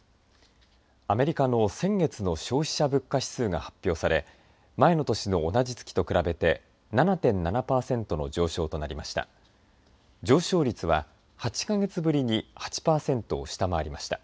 アメリカの先月の消費者物価指数が発表され前の年と同じ月と比べて７．７パーセントの上昇となりました。